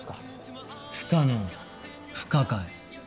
不可能？不可解？